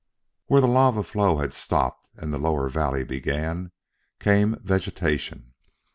Where the lava flow had stopped and the lower valley began, came vegetation.